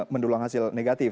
mendulang hasil negatif